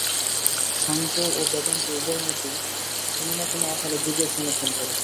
সাংখ্য ও বেদান্ত উভয় মতই কোন-না-কোন আকারে যোগের সমর্থন করে।